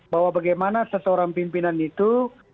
bahwa bagaimana seseorang pimpinan itu